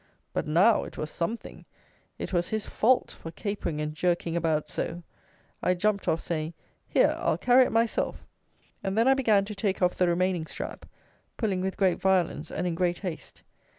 But now it was something. It was his "fault" for capering and jerking about "so." I jumped off, saying, "Here! I'll carry it myself." And then I began to take off the remaining strap, pulling with great violence and in great haste.